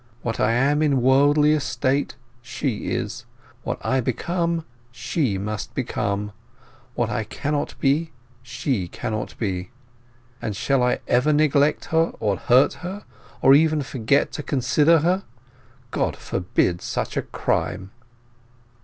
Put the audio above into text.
What I am in worldly estate, she is. What I become, she must become. What I cannot be, she cannot be. And shall I ever neglect her, or hurt her, or even forget to consider her? God forbid such a crime!"